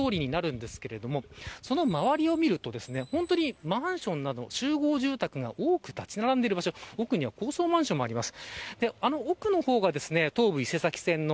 右側が大通りになるんですけれどもその周りを見るとマンションなど集合住宅が多く建ち並んでいる場所奥には高層マンションもあります。